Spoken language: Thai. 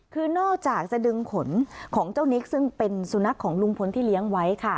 คือนอกจากจะดึงขนของเจ้านิกซึ่งเป็นสุนัขของลุงพลที่เลี้ยงไว้ค่ะ